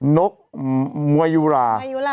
นกมวยยุรา